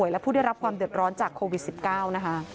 และผู้ได้รับความเดือดร้อนจากโควิด๑๙นะคะ